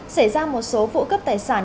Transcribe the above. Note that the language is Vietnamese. xảy ra một số vụ cấp tài sản